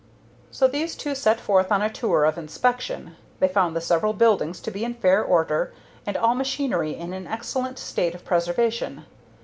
So these two set forth on a tour of inspection. They found the several buildings to be in fair order, and all machinery in an excellent state of preservation.